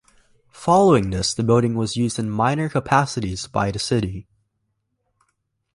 Following this the building was used in minor capacities by the city.